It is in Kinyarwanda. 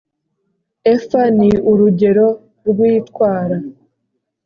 Efa ni urugero rw’itwara